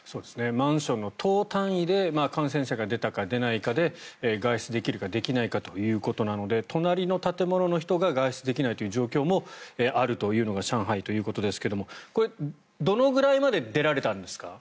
マンションの棟単位で感染者が出たか出ないかで外出できるかできないかということなので隣の建物の人が外出できないという状況もあるというのが上海ということですがこれ、どのくらいまで出られたんですか？